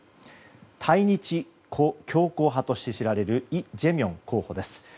対日強硬派として知られるイ・ジェミョン候補です。